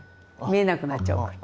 見えなくなっちゃうから。